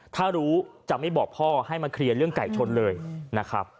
ถ้ารู้จะไม่บอกพ่อให้มาเคลียร์เรื่องไก่ชนเลยนะครับ